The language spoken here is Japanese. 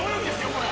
これ。